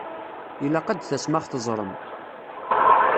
Ilaq ad tasem ad ɣ-teẓṛem!